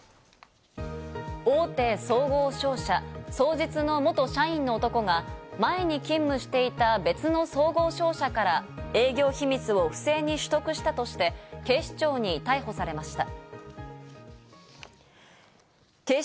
大手総合商社双日の元社員の男が前に勤務していた別の総合商社から、営業秘密を不正に取得したとして警視庁に逮捕されました。